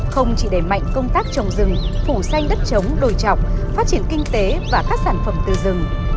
không chỉ đẩy mạnh công tác trồng rừng phủ xanh đất trống đồi trọc phát triển kinh tế và các sản phẩm từ rừng